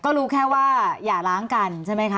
ก็รู้แค่ว่าอย่าล้างกันใช่ไหมคะ